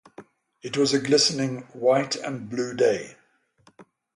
It was a glistening, white-and-blue day.